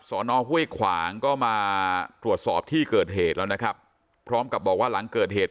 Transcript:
สอนอห้วยขวางก็มาตรวจสอบที่เกิดเหตุแล้วนะครับพร้อมกับบอกว่าหลังเกิดเหตุ